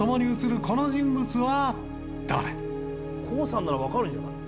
ＫＯＯさんならわかるんじゃない？